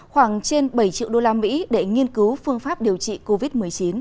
khoảng trên bảy triệu đô la mỹ để nghiên cứu phương pháp điều trị covid một mươi chín